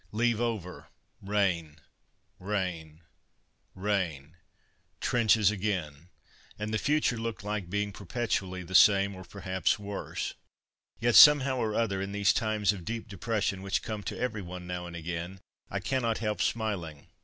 Leave over; rain, rain, rain; trenches again, and the future looked like being perpetually the same, or perhaps worse. Yet, somehow or other, in these times of deep depression which come to every one now and again, I cannot help smiling.